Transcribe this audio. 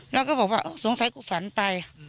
แล้วก็บอกว่าสงสัยกูฝันไป